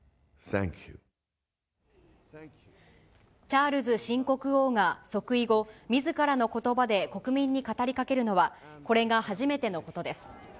チャールズ新国王が即位後、みずからのことばで国民に語りかけるのは、これが初めてのことです。